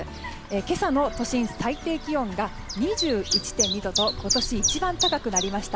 今朝の都心最低気温が２１．２度と今年一番高くなりました。